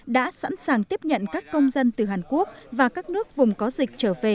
đã sẵn sàng tiếp nhận các công dân từ hàn quốc và các nước vùng có dịch trở về